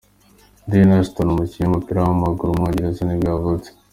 Dean Ashton, umukinnyi w’umupira w’amaguru w’umwongereza nibwo yavutse.